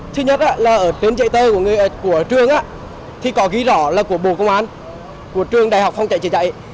thứ nhất là ở tên chạy tơ của trường thì có ghi rõ là của bộ công an của trường đại học phòng chạy chia chạy